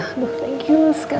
thank you sekali